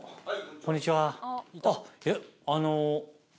こんにちは。